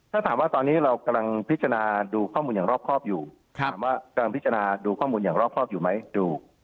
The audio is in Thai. ถ้าถามว่าตอนนี้เรากำลังพิจารณาดูข้อมูลอย่างรอบครอบอยู่ถามว่ากำลังพิจารณาดูข้อมูลอย่างรอบครอบอยู่ไหมดู